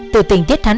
từ tỉnh tiếp tà thàng